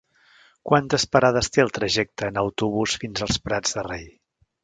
Quantes parades té el trajecte en autobús fins als Prats de Rei?